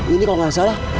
ini kalau nggak salah